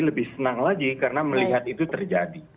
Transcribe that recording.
lebih senang lagi karena melihat itu terjadi